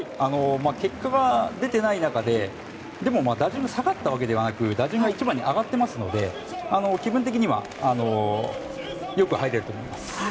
結果が出ていない中ででも、打順が下がったわけではなく１番に上がっていますので気分的には良く入れると思います。